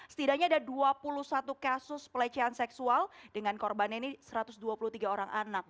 setidaknya ada dua puluh satu kasus pelecehan seksual dengan korbannya ini satu ratus dua puluh tiga orang anak